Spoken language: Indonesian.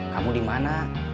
kamu di mana